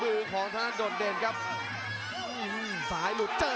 ประโยชน์ทอตอร์จานแสนชัยกับยานิลลาลีนี่ครับ